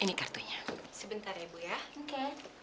ini kartunya sebentar ya bu ya oke